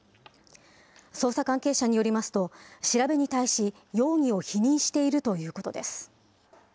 捜査関係者によりますと、調べに対し、容疑を否認しているということです。